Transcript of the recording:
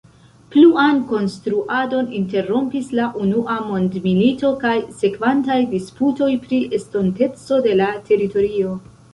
Pluan konstruadon interrompis la unua mondmilito kaj sekvantaj disputoj pri estonteco de la teritorio.